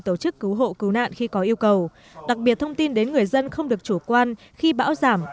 tổ chức cứu hộ cứu nạn khi có yêu cầu đặc biệt thông tin đến người dân không được chủ quan khi bão giảm